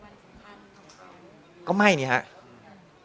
ว่าที่เราไม่ได้ยอมไปวันสุดทันของเขา